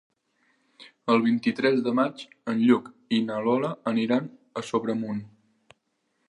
El vint-i-tres de maig en Lluc i na Lola aniran a Sobremunt.